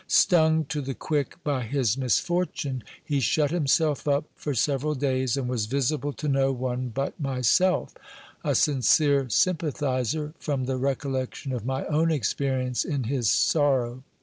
Stung to the quick by his misfortune, he shut himself up for several days, and was visible to no one but myself ; a sincere sympathiser, from the recollection of my own experience in his sorrow.